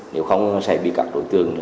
nếu không sẽ bị các đối tượng